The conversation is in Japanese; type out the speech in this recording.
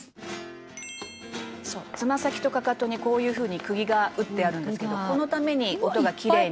「つま先とかかとにこういうふうに釘が打ってあるんですけどこのために音がきれいに」